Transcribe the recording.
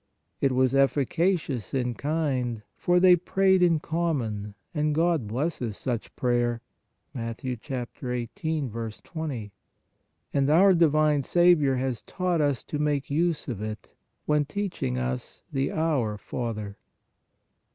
It was effica cious in kind, for they prayed in common, and God blesses such prayer (Mat. 18. 20), and our divine Saviour has taught us to make use of it, when teach ing us the Our Father.